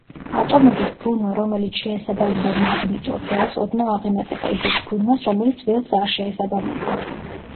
ატომების ბრუნვა რომელიც შეესაბამება მაგნიტურ ველს ოდნავ აღემატება ისეთ ბრუნვას რომელიც ველს არ შეესაბამება.